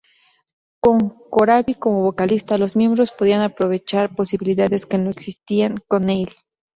Con Corabi como vocalista, los miembros podían aprovechar posibilidades que no existían con Neil.